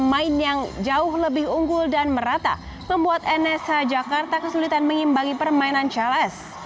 pemain yang jauh lebih unggul dan merata membuat nsh jakarta kesulitan mengimbangi permainan charles